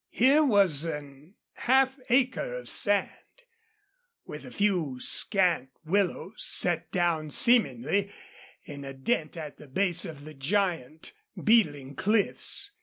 Here was a half acre of sand, with a few scant willows, set down seemingly in a dent at the base of the giant, beetling cliffs.